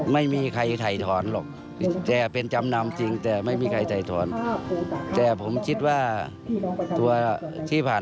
ไม่มีใครไถถอนหรอก